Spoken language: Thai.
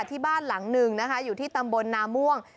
ที่บ้านหลังหนึ่งนะคะอยู่ที่ตำบลนาม่วง